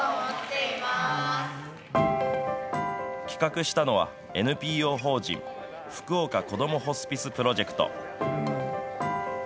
企画したのは、ＮＰＯ法人福岡こどもホスピスプロジェクト。